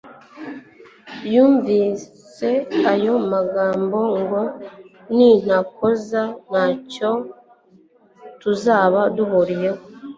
Yumvise ayo magambo ngo: "nintakoza ntacyo tuzaba duhuriyeho."